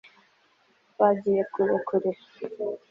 twagiye kure kure